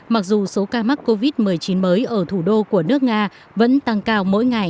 mặc dù số ca mắc covid một mươi chín mới ở thủ đô của nước nga vẫn tăng cao mỗi ngày